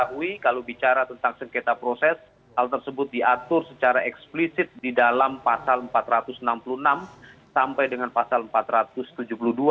untuk memies gerek dan jelasin bahwa hal itu tidak mungkin ditentukan pasar harian popular walt sea burke dan datang bulu bujur tersebut ditetapkan berkaitan dengan pemiliu susulan dan pemilu lanjutan itu berdasarkan keputusan kpu republik indonesia